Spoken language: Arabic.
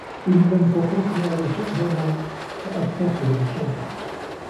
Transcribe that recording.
إن لم تتركنا و شأننا، ساتّصل بالشّرطة.